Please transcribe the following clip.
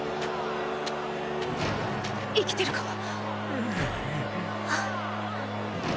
生きてるか⁉んん。